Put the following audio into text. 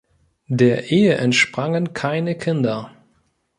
Der Ehe entsprangen keine Kinder.